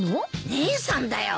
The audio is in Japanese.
姉さんだよ。